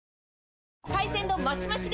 海鮮丼マシマシで！